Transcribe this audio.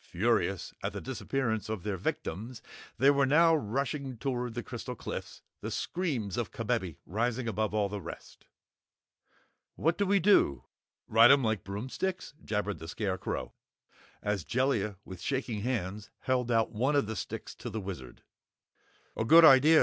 Furious at the disappearance of their victims, they now were rushing toward the crystal cliffs, the screams of Kabebe rising above all the rest. "What do we do ride 'em like broomsticks?" jabbered the Scarecrow, as Jellia with shaking hands held out one of the sticks to the Wizard. "A good idea!"